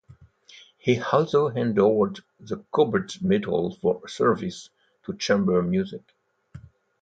He also endowed the Cobbett Medal for services to chamber music.